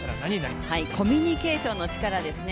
コミュニケーションの力ですね。